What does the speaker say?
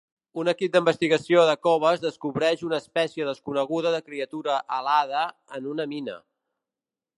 Un equip d'investigació de coves descobreix una espècie desconeguda de criatura alada en una mina.